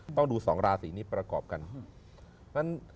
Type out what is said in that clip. ต้องดู๒ราศีนี้ประกอบกัน